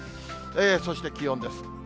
そして気温です。